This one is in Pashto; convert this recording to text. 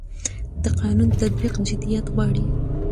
د قانون تطبیق جديت غواړي